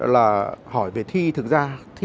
là hỏi về thi thực ra